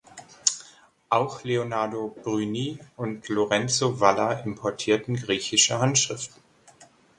Auch Leonardo Bruni und Lorenzo Valla importierten griechische Handschriften.